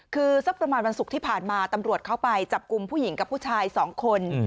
คือสักประมาณวันศุกร์ที่ผ่านมาตำรวจเข้าไปจับกลุ่มผู้หญิงกับผู้ชายสองคน